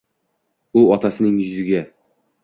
U otasining yuziga